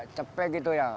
cepet gitu ya